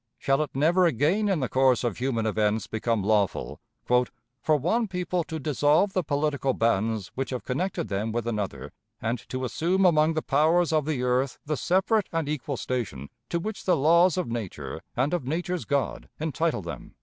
Shall it never again in the course of human events become lawful "for one people to dissolve the political bands which have connected them with another, and to assume among the powers of the earth the separate and equal station to which the laws of nature and of nature's God entitle them"?